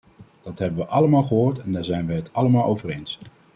Dat hebben we allemaal gehoord en daar zijn we het allemaal over eens.